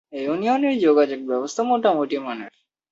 এই ইউনিয়নের যোগাযোগ ব্যবস্থা মোটামুটি মানের।